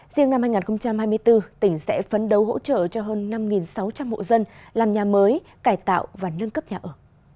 riêng năm hai nghìn hai mươi bốn tỉnh sẽ phấn đấu hỗ trợ cho hơn năm sáu trăm linh hộ dân làm nhà mới cải tạo và nâng cấp nhà ở